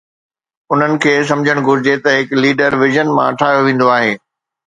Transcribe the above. انهن کي سمجهڻ گهرجي ته هڪ ليڊر وژن مان ٺاهيو ويندو آهي.